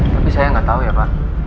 tapi saya gak tau ya pak